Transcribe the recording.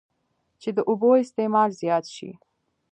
چې د اوبو استعمال زيات شي